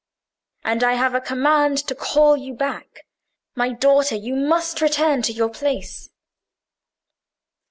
And I have a command to call you back. My daughter, you must return to your place."